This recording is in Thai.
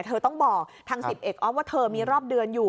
เธอต้องบอกทาง๑๐เอกออฟว่าเธอมีรอบเดือนอยู่